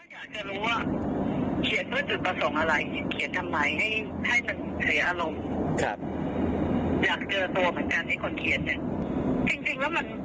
ก็อยากจะรู้ว่าเขียนเพื่อจุดประสงค์อะไร